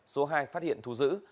số hai phát hiện thú dữ